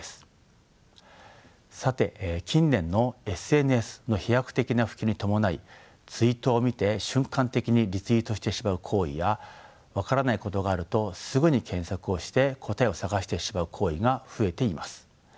さて近年のＳＮＳの飛躍的な普及に伴いツイートを見て瞬間的にリツイートしてしまう行為や分からないことがあるとすぐに検索をして答えを探してしまう行為が増えています。